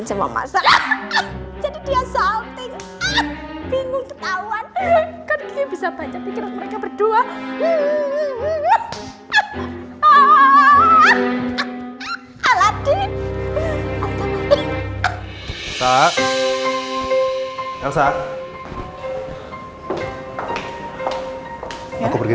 nenek nanti aku pergi